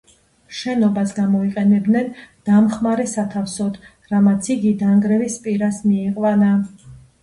შენობას გამოიყენებდნენ დამხმარე სათავსოდ, რამაც იგი დანგრევის პირას მიიყვანა.